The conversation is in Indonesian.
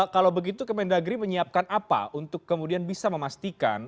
kalau begitu kemendagri menyiapkan apa untuk kemudian bisa memastikan